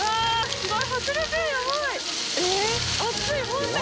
すごい！